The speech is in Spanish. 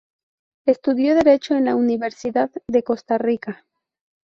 Estudió Derecho en la Universidad de Costa Rica.